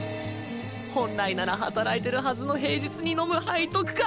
本来なら働いてるはずの平日に飲む背徳感。